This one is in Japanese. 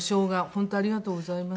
本当ありがとうございます。